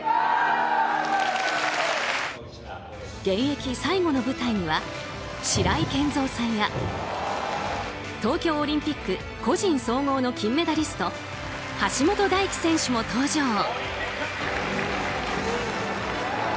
現役最後の舞台には白井健三さんや東京オリンピック個人総合の金メダリスト橋本大輝選手も登場。